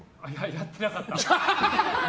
やってなかった。